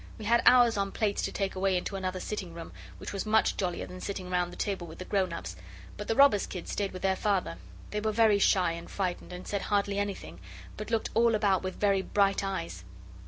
We had ours on plates to take away into another sitting room, which was much jollier than sitting round the table with the grown ups. But the Robber's kids stayed with their Father. They were very shy and frightened, and said hardly anything, but looked all about with very bright eyes.